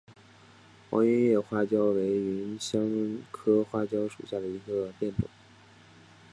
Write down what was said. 毛椿叶花椒为芸香科花椒属下的一个变种。